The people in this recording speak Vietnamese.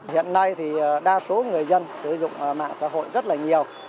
hiện nay thì đa số người dân sử dụng mạng xã hội rất là nhiều